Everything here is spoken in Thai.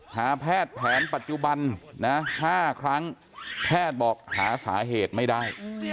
แพทย์แผนปัจจุบันนะ๕ครั้งแพทย์บอกหาสาเหตุไม่ได้